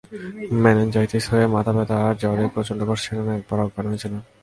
Meningitis হয়ে মাথাব্যথা আর জ্বরে প্রচন্ড কষ্টে ছিলেন, একবার অজ্ঞানও হয়েছিলেন।